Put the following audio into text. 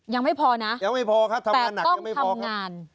ยังไม่พอนะแต่ต้องทำงานยังไม่พอครับทำงานหนักยังไม่พอครับ